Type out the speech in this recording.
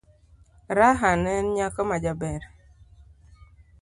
Raha ne en nyako majaber.